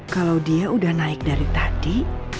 kalau dia udah naik dari tadi